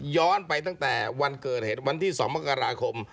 ย้อนไปตั้งแต่วันเกิดเหตุวันที่๒มกราคม